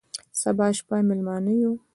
سبا شپه مېلمانه یو،